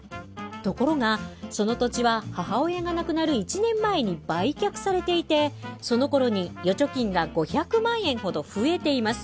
ところがその土地は母親が亡くなる１年前に売却されていてそのころに預貯金が５００万円ほど増えています。